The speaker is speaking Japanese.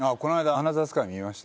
『アナザースカイ』見ました。